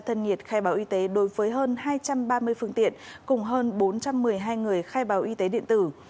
thân nhiệt khai báo y tế đối với hơn hai trăm ba mươi phương tiện cùng hơn bốn trăm một mươi hai người khai báo y tế điện tử